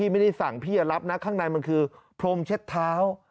ไม่ได้สั่งพี่จะรับนะข้างในมันคือพรมเช็ดเท้า